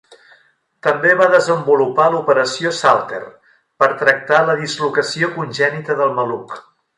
També va desenvolupar l'operació Salter per tractar la dislocació congènita del maluc.